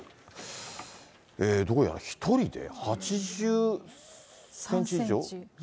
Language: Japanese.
どうやら１人で８３センチ以上？